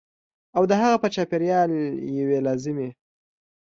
او د هغه پر چاپېر یوې لازمي